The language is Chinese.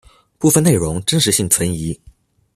部分内容真实性存疑。